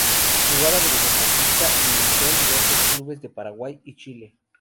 Jugaba de mediocampista y militó en diversos clubes de Paraguay y Chile.